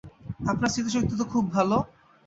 আপনার স্মৃতিশক্তি তো খুব ভালো।